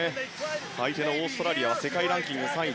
相手のオーストラリアは世界ランキング３位。